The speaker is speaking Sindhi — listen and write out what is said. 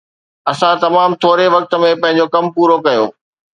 اسان تمام ٿوري وقت ۾ پنهنجو ڪم پورو ڪيو